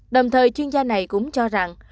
đồng thời chuyên gia này cũng cho rằng